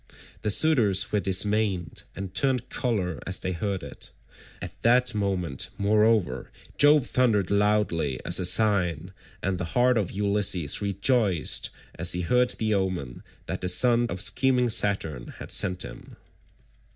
The suitors were dismayed, and turned colour as they heard it; at that moment, moreover, Jove thundered loudly as a sign, and the heart of Ulysses rejoiced as he heard the omen that the son of scheming Saturn had sent him.